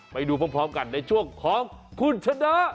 ไปดูพร้อมกันในช่วงของคุณชนะ